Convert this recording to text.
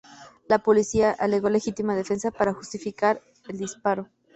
La policía alegó legítima defensa para justificar el disparo.